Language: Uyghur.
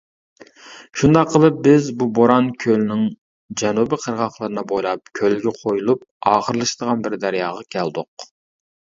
شۇنداق قىلىپ بىز بۇ بوران كۆلنىڭ جەنۇبى قىرغاقلىرىنى بويلاپ كۆلگە قۇيۇلۇپ ئاخىرلىشىدىغان بىر دەرياغا كەلدۇق.